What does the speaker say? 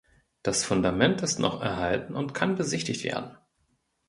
Das Fundament ist noch erhalten und kann besichtigt werden.